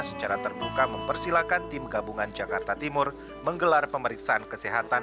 secara terbuka mempersilahkan tim gabungan jakarta timur menggelar pemeriksaan kesehatan